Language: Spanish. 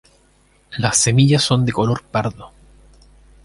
Las semillas son de color pardo.